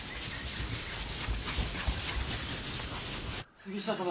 杉下様！